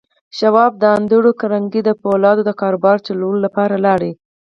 شواب د انډريو کارنګي د پولادو د کاروبار چلولو لپاره لاړ.